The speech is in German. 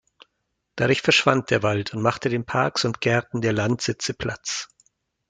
Dadurch verschwand der Wald und machte den Parks und Gärten der Landsitze Platz.